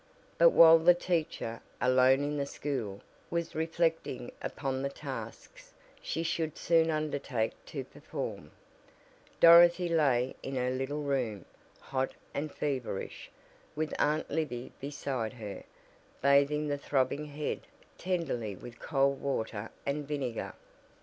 But while the teacher, alone in the school, was reflecting upon the tasks she should soon undertake to perform; Dorothy lay in her little room, hot and feverish, with Aunt Libby beside her, bathing the throbbing head tenderly with cold water and vinegar.